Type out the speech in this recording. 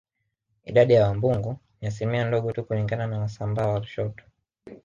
Idadi ya Wambugu ni asilimia ndogo tu kulingana na Wasambaa wa Lushoto